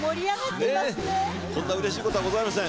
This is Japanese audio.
ねぇこんなうれしいことはございません。